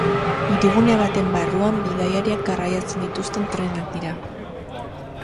Hirigune baten barruan bidaiariak garraiatzen dituzten trenak dira.